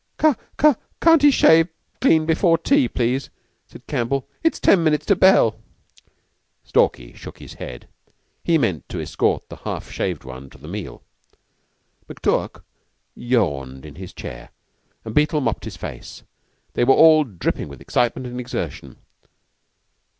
"Ca can't he shave clean before tea, please?" said Campbell. "It's ten minutes to bell." Stalky shook his head. He meant to escort the half shaved one to the meal. McTurk yawned in his chair and Beetle mopped his face. They were all dripping with excitement and exertion.